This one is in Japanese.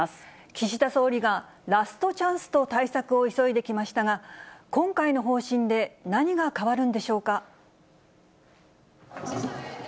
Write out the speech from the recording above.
岸田総理がラストチャンスと対策を急いできましたが、今回の方針で、何が変わるんでしょうか。